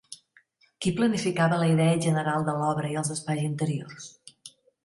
Qui planificava la idea general de l'obra i els espais interiors?